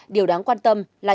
điều đáng quan tâm là hiệu quả